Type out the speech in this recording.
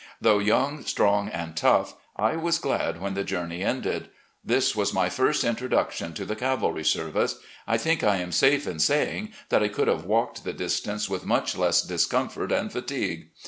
Though young, strong, and tough, I was glad when the journey ended. 'This was my first introduction to the cavalry service. I think I am safe in saying that I could have walked the distance with much less discomfort and fatigue.